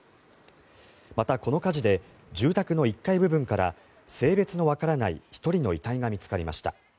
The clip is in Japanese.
また、この火事で住宅の１階部分から性別のわからない１人の遺体が見つかりました。